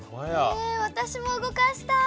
私も動かしたい！